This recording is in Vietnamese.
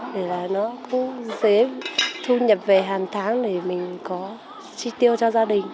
để là nó cũng dễ thu nhập về hàng tháng để mình có chi tiêu cho gia đình